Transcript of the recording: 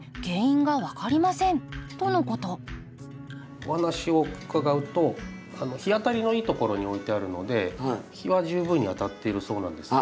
お話を伺うと日当たりのいいところに置いてあるので日は十分に当たっているそうなんですが。